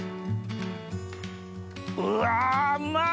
うわうまい！